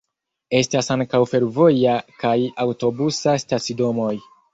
Estas ankaŭ fervoja kaj aŭtobusa stacidomoj.